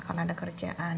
karena ada kerjaan